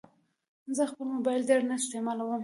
زه خپل موبایل ډېر نه استعمالوم.